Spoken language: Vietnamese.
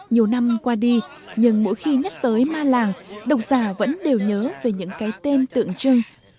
nhiều năm qua đi nhưng mỗi khi nhắc tới ma làng độc giả vẫn đều nhớ về những cái tên tượng trưng